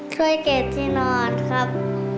เคยเก็บที่นอนครับ